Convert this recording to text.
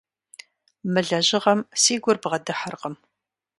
Мы лэжьыгъэм си гур бгъэдыхьэркъым.